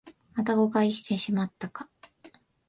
また誤解してしまったか